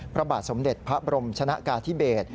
พระบาทสมเด็จพระบรมชนะกาธิเบศ